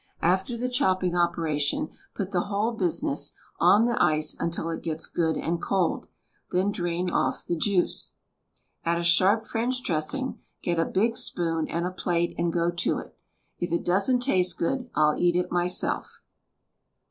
After the chopping operation, put the whole business on the ice until it gets good and cold. Then drain off the juice. Add a sharp French dressing, get a big spoon and a plate and go to it. If it doesn't taste good, I'll eat it myself.